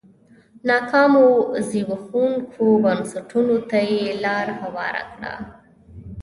ناکامو زبېښونکو بنسټونو ته یې لار هواره کړه.